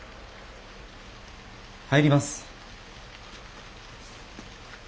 入ります。